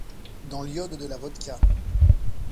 Dans l’iode de la vodka.